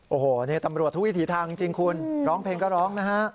โอ้โหนี่ตำรวจทุกวิถีทางจริงคุณร้องเพลงก็ร้องนะฮะ